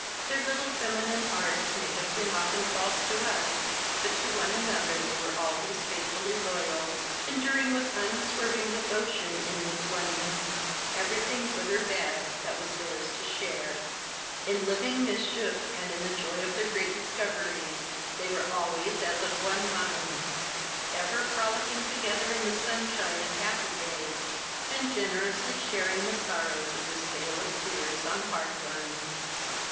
Their little feminine hearts may have been often false to us, but to one another they were always faithfully loyal, enduring with unswerving devotion in this oneness everything good or bad that was theirs to share. In living mischief and in the joy of their great discoveries, they were always as of one mind. Ever frolicking together in the sunshine of happy days and generously sharing the sorrows of this vale of tears on hard ones.